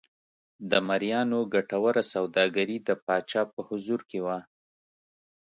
د مریانو ګټوره سوداګري د پاچا په انحصار کې وه.